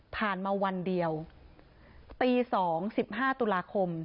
ผ่านมาวันเดียวตี๒๑๕ตุลาคม